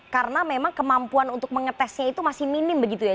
karena memang kemampuan untuk mengetesnya itu masih minim begitu ya